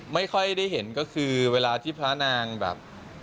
ไม่ค่อยได้เห็นก็คือเวลาที่พระนางแบบ